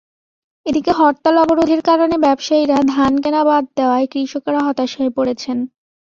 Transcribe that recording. এদিকে হরতাল-অবরোধের কারণে ব্যবসায়ীরা ধান কেনা বাদ দেওয়ায় কৃষকেরা হতাশ হয়ে পড়েছেন।